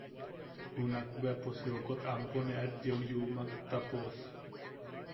Junakbea pos jiokot ampo ne aet yeuyumak ta pos...